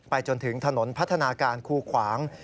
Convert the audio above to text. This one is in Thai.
จนถึงถนนพัฒนาการคูขวาง